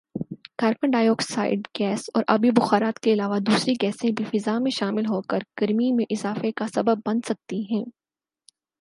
carbon dioxide gas اور آبی بخارات کے علاوہ ، دوسری گیسیں بھی فضا میں شامل ہوکر گرمی میں اضافے کا سبب بن سکتی ہیں